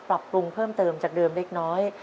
ปรับปรุงเพิ่มเติมจากเดิมเล็กน้อย